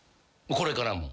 これからも？